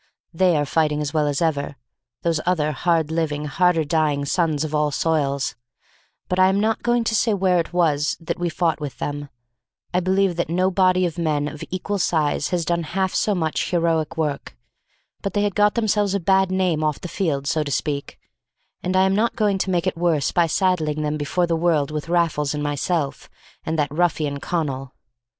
They are fighting as well as ever, those other hard living, harder dying sons of all soils; but I am not going to say where it was that we fought with them. I believe that no body of men of equal size has done half so much heroic work. But they had got themselves a bad name off the field, so to speak; and I am not going to make it worse by saddling them before the world with Raffles and myself, and that ruffian Connal.